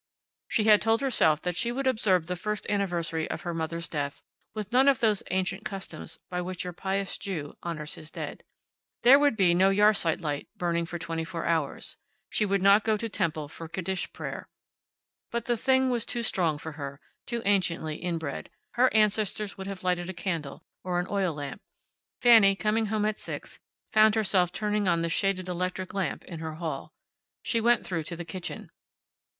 She had told herself that she would observe the first anniversary of her mother's death with none of those ancient customs by which your pious Jew honors his dead. There would be no Yahrzeit light burning for twenty four hours. She would not go to Temple for Kaddish prayer. But the thing was too strong for her, too anciently inbred. Her ancestors would have lighted a candle, or an oil lamp. Fanny, coming home at six, found herself turning on the shaded electric lamp in her hall. She went through to the kitchen.